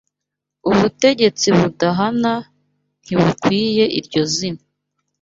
Ubutegetsi budahana ntibukwiye iryo zina